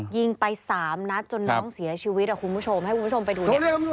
ยิงไป๓นัดจนน้องเสียชีวิตครับคุณผู้ชมให้คุณผู้ชมไปดู